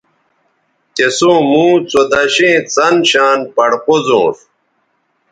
تِسوں موں څودشیئں څن شان پڑ قوزونݜ